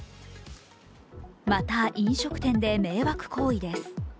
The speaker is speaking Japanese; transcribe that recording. また飲食店で迷惑行為です。